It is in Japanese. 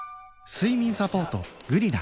睡眠サポート「グリナ」